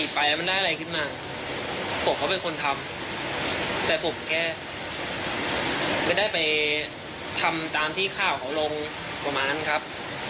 แต่ว่าไม่ได้ข่มขืนถูกไหมครับ